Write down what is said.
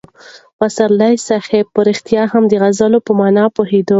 پسرلي صاحب په رښتیا هم د غزل په مانا پوهېده.